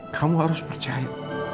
kamu harus percaya